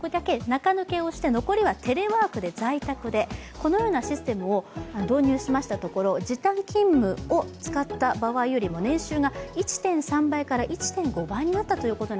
このようなシステムを導入しましたところ時短勤務を使った場合よりも年収が１．３倍から１．５倍になったと。